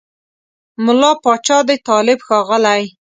مُلا پاچا دی طالب ښاغلی